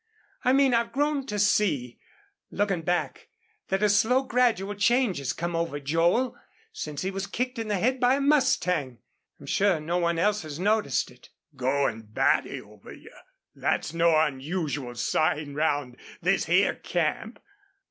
I mean I've grown to see looking back that a slow, gradual change has come over Joel since he was kicked in the head by a mustang. I'm sure no one else has noticed it." "Goin' batty over you. That's no unusual sign round this here camp.